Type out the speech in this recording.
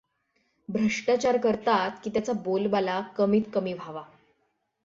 भ्रष्टाचार करतात की, त्याचा बोलबाला कमीत कमी व्हावा.